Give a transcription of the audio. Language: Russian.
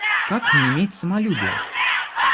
Как не иметь самолюбия?